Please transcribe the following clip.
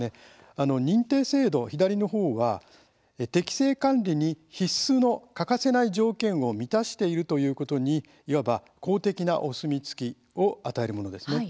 認定制度、左の方は適正管理に必須の、欠かせない条件を満たしているということにいわば公的なお墨付きを与えるものですね。